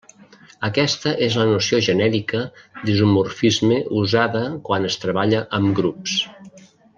Aquesta és la noció genèrica d'isomorfisme usada quan es treballa amb grups.